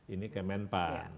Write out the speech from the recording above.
ini kayak menpan